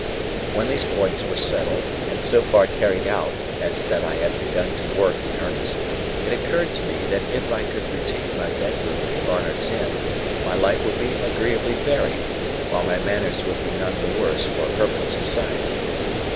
When these points were settled, and so far carried out as that I had begun to work in earnest, it occurred to me that if I could retain my bedroom in Barnard's Inn, my life would be agreeably varied, while my manners would be none the worse for Herbert's society.